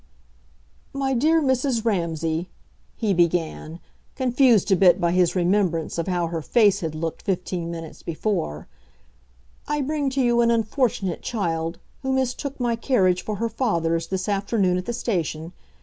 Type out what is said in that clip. "My dear Mrs. Ramsay," he began, confused a bit by his remembrance of how her face had looked fifteen minutes before, "I bring to you an unfortunate child, who mistook my carriage for her father's this afternoon at the station.